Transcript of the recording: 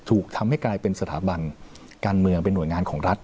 ถูกทำให้กลายเป็นสถาบันการเมืองเป็นหน่วยงานของรัฐ